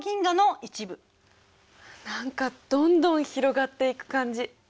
何かどんどん広がっていく感じ。